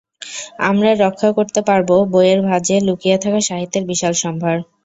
আমরা রক্ষা করতে পারব বইয়ের ভাঁজে লুকিয়ে থাকা সাহিত্যের বিশাল সম্ভার।